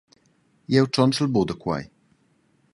Jeu tschontschel buc da quei.